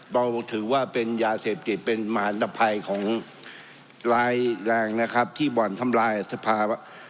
เราถือว่าเป็นยาเสพติดเป็นหมานตภัยของร้ายแรงนะครับที่บ่อนทำลายสภาวะ